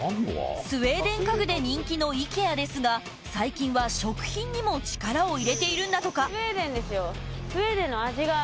スウェーデン家具で人気のＩＫＥＡですが最近は食品にも力を入れているんだとかスウェーデンの味が。